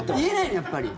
やっぱり。